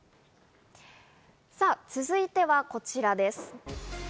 続いては、こちらです。